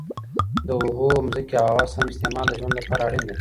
د اوبو، ځمکې او هوا سم استعمال د ژوند لپاره اړین دی.